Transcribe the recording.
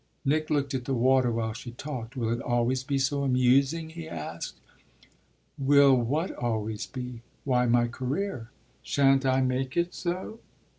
Nick looked at the water while she talked. "Will it always be so amusing?" he asked. "Will what always be?" "Why my career." "Shan't I make it so?"